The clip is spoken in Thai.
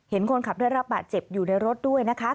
เห็นคนขับเรื้อรับเจ็บอยู่ในรถด้วยนะคะ